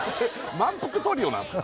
満腹トリオなんですか？